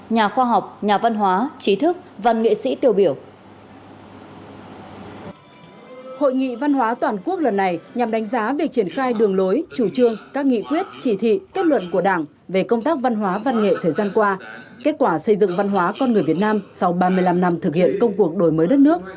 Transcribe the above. nhà khoa học nhà văn hóa trí thức văn nghệ sĩ tiêu biểu